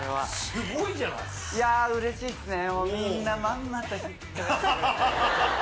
うれしいっすね！